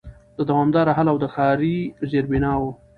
د دوامدار حل او د ښاري زېربناوو